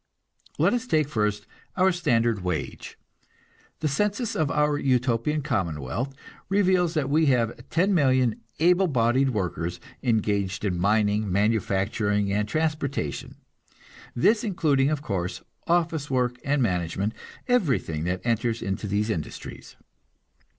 Let us take, first, our standard wage. The census of our Utopian commonwealth reveals that we have ten million able bodied workers engaged in mining, manufacturing, and transportation; this including, of course, office work and management everything that enters into these industries.